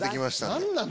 何なん？